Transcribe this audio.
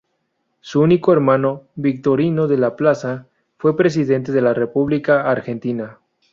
Su único hermano, Victorino de la Plaza, fue presidente de la República Argentina.